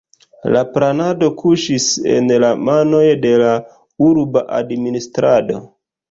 La planado kuŝis en la manoj de la urba administrado.